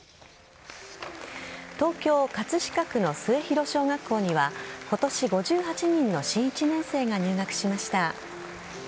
東京・葛飾区の末広小学校には今年５８人の新１年生が入学しました。